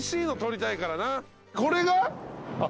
これが。